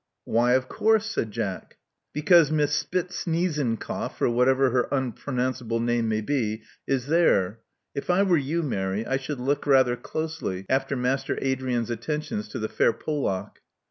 Why of course?" said Jack. Because Miss Spitsneezncough — or whatever her unpronounceable name may be — is there. If I were you, Mary, I should look rather closely after Master Adrian's attentions to the fair Polack."